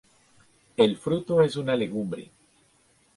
El fruto es una legumbre.